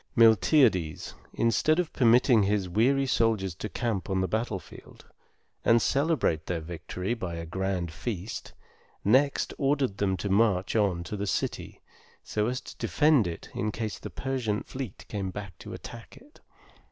Miltiades, instead of permitting his weary soldiers to camp on the battlefield, and celebrate their victory by a grand feast, next ordered them to march on to the city, so as to defend it in case the Persian fleet came to attack it.